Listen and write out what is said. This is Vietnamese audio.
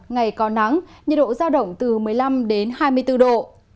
ngày có nắng nhiệt độ giao động từ một mươi năm đến hai mươi bốn độ